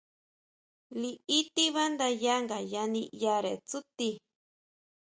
Liʼí tíbándayá ngayá niʼyare tsútii.